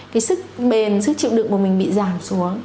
cái sức bền sức chịu đựng của mình bị giảm xuống